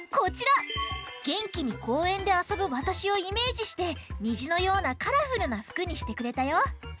げんきにこうえんであそぶわたしをイメージしてにじのようなカラフルなふくにしてくれたよ！